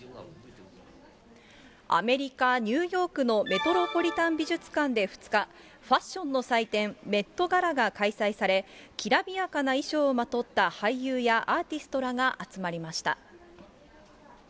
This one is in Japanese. アメリカ・ニューヨークのメトロポリタン美術館で２日、ファッションの祭典、メットガラが開催され、きらびやかな衣装をまとった俳優やアーティストらが集まりました。